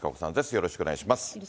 よろしくお願いします。